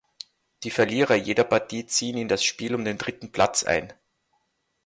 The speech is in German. Die Verlierer jeder Partie ziehen in das Spiel um den dritten Platz ein.